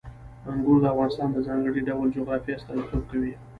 انګور د افغانستان د ځانګړي ډول جغرافیې استازیتوب کوي.